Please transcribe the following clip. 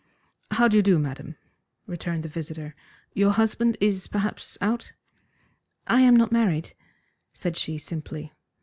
"How do you do, madam?" returned the visitor. "Your husband is perhaps out?" "I am not married," said she simply.